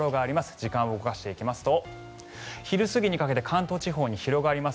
時間を動かしていきますと昼過ぎにかけて関東地方に広がります。